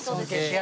あ！